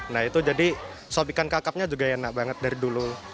nah itu jadi sop ikan kakapnya juga enak banget dari dulu